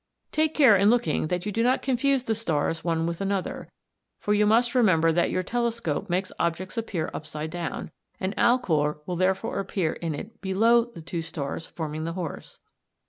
Take care in looking that you do not confuse the stars one with another, for you must remember that your telescope makes objects appear upside down, and Alcor will therefore appear in it below the two stars forming the horse.